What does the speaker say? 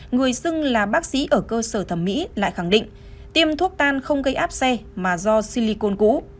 người xưng là bác sĩ ở cơ sở thẩm mỹ lại khẳng định tiêm thuốc tan không gây áp xe mà do silicon cũ